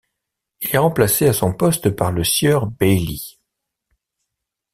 Il est remplacé à son poste par le sieur Bailly.